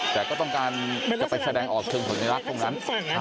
แต่ก็ต้องการจะไปแสดงออกเชิงสัญลักษณ์ตรงนั้น